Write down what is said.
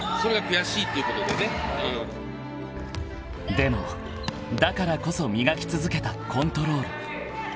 ［でもだからこそ磨き続けたコントロール］